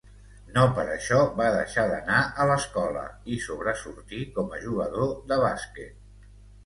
No per això va deixar d'anar a l'escola i sobresortir com a jugador de bàsquet.